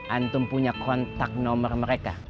antum punya kontak nomor mereka